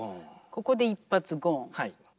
ここで一発ゴン。